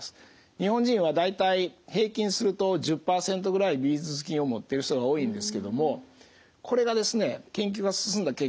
日本人は大体平均すると１０％ぐらいビフィズス菌を持ってる人が多いんですけどもこれが研究が進んだ結果